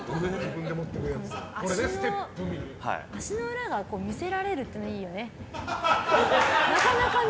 足の裏が見せられるっていうのがいいよね。